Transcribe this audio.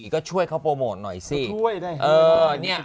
ก็ช่วยเขาโปรโมทหน่อยสิ